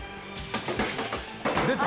出た！